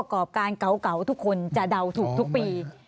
กรอบการเก่าทุกคนจะเดาถูกทุกปี